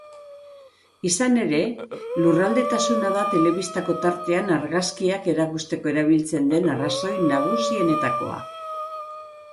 Izan ere, lurraldetasuna da telebistako tartean argazkiak erakusteko erabiltzen den arrazoi nagusienetakoa.